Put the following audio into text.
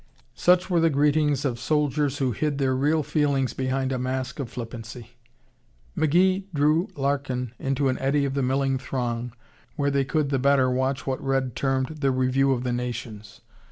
Such were the greetings of soldiers who hid their real feelings behind a mask of flippancy. McGee drew Larkin into an eddy of the milling throng where they could the better watch what Red termed "the review of the nations."